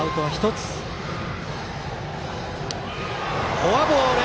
フォアボール。